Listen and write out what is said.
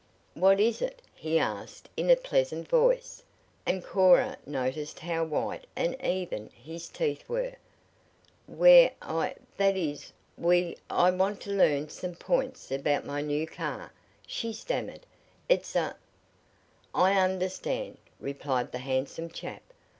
"What is it?" he asked in a pleasant voice, and Cora noticed how white and even his teeth were. "We er I that is, we I want to learn some points about my new car," she stammered. "It's a " "I understand," replied the handsome chap.